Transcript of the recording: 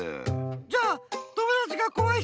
じゃあ友だちがこわい